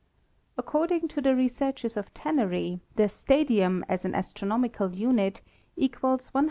According to the researches of Tannery, the stadium as an astronomical unit equals 157.